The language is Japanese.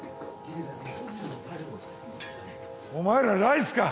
お前らライスか？